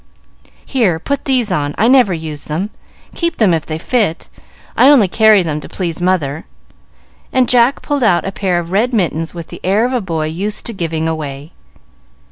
"Here, put these on; I never use them. Keep them if they fit; I only carry them to please mother." And Jack pulled out a pair of red mittens with the air of a boy used to giving away.